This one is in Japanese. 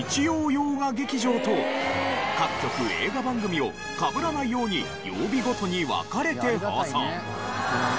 各局映画番組をかぶらないように曜日ごとに分かれて放送。